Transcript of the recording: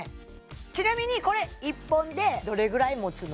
ちなみにこれ１本でどれぐらいもつの？